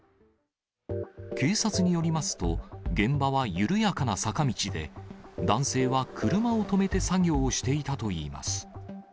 警察によりますと、現場は緩やかな坂道で、男性は車を止めて作業をしていたといいます。